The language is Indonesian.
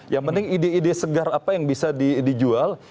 yang penting ide ide segar apa yang bisa dijual